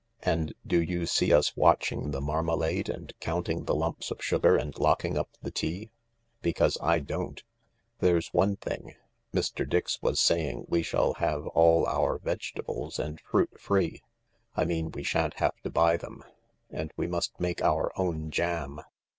And do you see us watching the marmalade and counting the lumps of sugar and locking up the tea ? Because I don't. There's one thing : Mr. Dix was saying we shall have all our vegetables and fruit free — I mean we shan't have to buy them — and we must make our own jam.